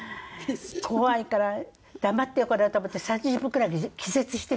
怖いから黙ってようかなと思って３０分ぐらい気絶してたの。